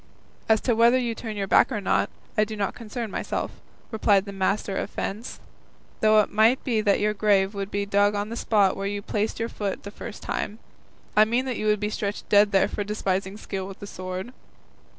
"As to whether you turn your back or not, I do not concern myself," replied the master of fence; "though it might be that your grave would be dug on the spot where you planted your foot the first time; I mean that you would be stretched dead there for despising skill with the sword."